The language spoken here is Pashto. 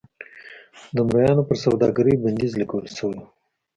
د مریانو پر سوداګرۍ بندیز لګول شوی و.